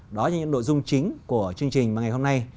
đó là những nội dung chính của chương trình mà ngày hôm nay